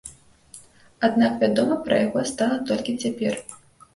Аднак вядома пра яго стала толькі цяпер.